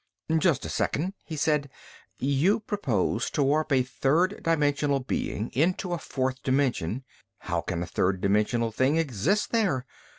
"Just a second," he said. "You propose to warp a third dimensional being into a fourth dimension. How can a third dimensional thing exist there?